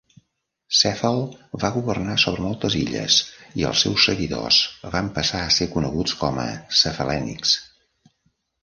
Cèfal va governar sobre moltes illes, i els seus seguidors van passar a ser coneguts com a Cefalènics.